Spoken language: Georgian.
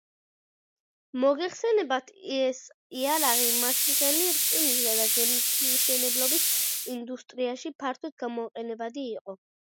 მოგეხსენებათ, ეს იარაღი მაშინდელი რკინისა და გემთმშენებლობის ინდუსტრიაში ფართოდ გამოყენებადი იყო.